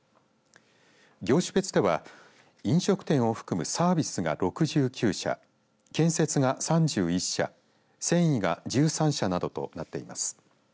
業種別では飲食店を含むサービスが６９社建設が３１社繊維が１３社などとなっています。